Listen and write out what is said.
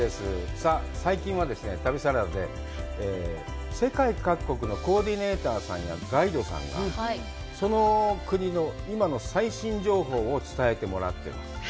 さあ最近は旅サラダで、世界各国のコーディネーターさんやガイドさんが、その国の今の最新情報を伝えてもらってます。